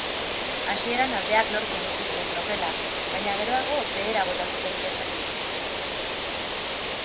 Hasieran aldeak lortzen utzi zien tropelak, baina geroago behera bota zuten ihesaldia.